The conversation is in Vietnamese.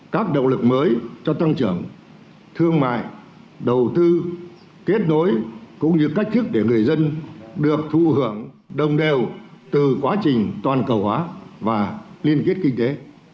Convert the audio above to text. các động lực mới cho tăng trưởng thương mại đầu tư kết nối cũng như cách thức để người dân được thụ hưởng đồng đều từ quá trình toàn cầu hóa và liên kết kinh tế